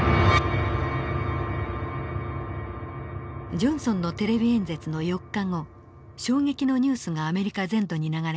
ジョンソンのテレビ演説の４日後衝撃のニュースがアメリカ全土に流れました。